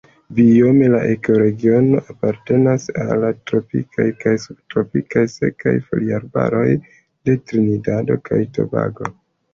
Biome la ekoregiono apartenas al tropikaj kaj subtropikaj sekaj foliarbaroj de Trinidado kaj Tobago.